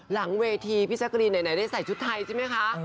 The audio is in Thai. หลังเวทีพี่แจ๊กรีนไหนได้ใส่ชุดไทยใช่ไหมคะ